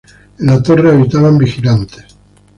En la torre habitaban vigilantes.